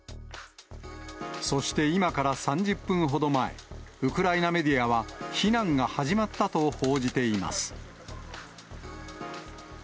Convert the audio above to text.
そして今から３０分ほど前、ウクライナメディアは、避難が始まったと報じています。